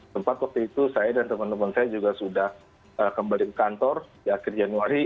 tempat waktu itu saya dan teman teman saya juga sudah kembali ke kantor di akhir januari